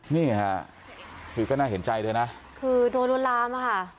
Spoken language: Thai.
นี่ค่ะคือก็น่าเห็นใจเธอนะคือโดนลวนลามอะค่ะ